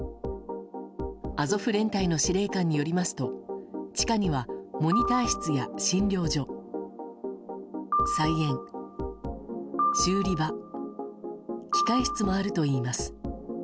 アゾフ連隊の司令官によりますと地下には、モニター室や診療所菜園、修理場機械室もあるといいます。